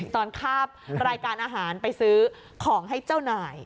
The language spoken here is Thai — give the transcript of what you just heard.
คาบรายการอาหารไปซื้อของให้เจ้านาย